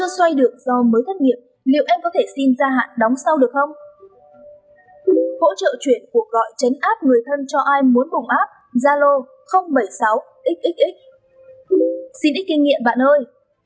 xin ít kinh nghiệm bạn ơi